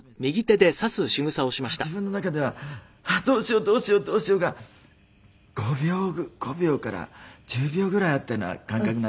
その時自分の中ではどうしようどうしようどうしようが５秒から１０秒ぐらいあったような感覚になるぐらい長かったんです。